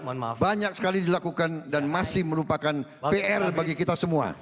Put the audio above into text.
ini banyak sekali dilakukan dan masih merupakan pr bagi kita semua